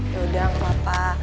yaudah gak apa apa